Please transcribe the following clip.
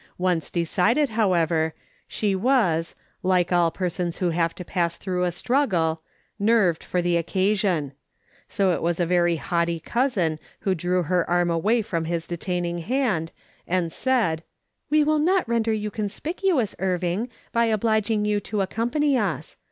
Once decided, however, she was, like all persons who have to pass through a strufjgle, nerved for the occasion ; so it v\'a3 a very *'/ THINK THERE WAS AN UNBELIEVER." 123 haughty cousin who drew her arm away from his detaining hand and said :" We will not render you conspicuous, Irving, by obliging you to accompany us.